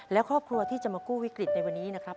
และครอบครัวที่จะมากู้วิกฤตในวันนี้นะครับ